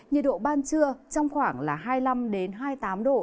nhiệt độ ban trưa trong khoảng hai mươi năm đến hai mươi tám độ